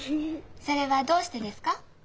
それはどうしてですか？